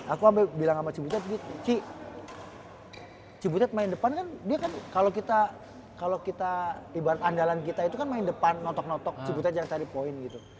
aku sampai bilang sama cibutet cik cibutet main depan kan dia kan kalau kita ibarat andalan kita itu kan main depan notok notok cibutet cari poin gitu